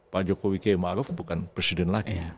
pak jokowi k ma ruf bukan presiden lagi